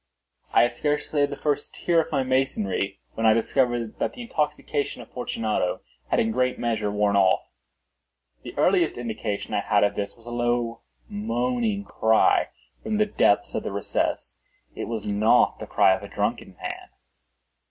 I had scarcely laid the first tier of my masonry when I discovered that the intoxication of Fortunato had in a great measure worn off. The earliest indication I had of this was a low moaning cry from the depth of the recess. It was not the cry of a drunken man.